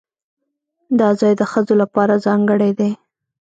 دا ځای د ښځو لپاره ځانګړی دی.